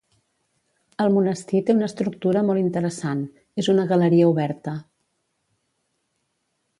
El monestir té una estructura molt interessant; és una galeria oberta.